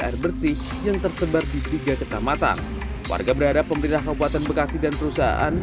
air bersih yang tersebar di tiga kecamatan warga berharap pemerintah kabupaten bekasi dan perusahaan